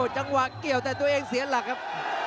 จังหวะเกี่ยวแต่ตัวเองเสียหลักครับ